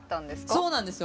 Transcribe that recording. そうなんですよ。